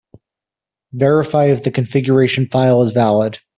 Verify if the configuration file is valid.